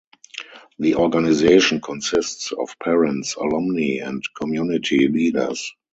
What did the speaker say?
The organization consists of parents, alumni, and community leaders.